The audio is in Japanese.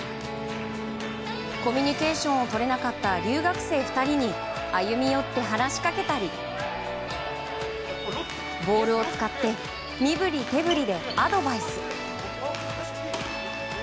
コミュニケーションをとれなかった留学生２人に歩み寄って話しかけたりボールを使って身振り手振りでアドバイス。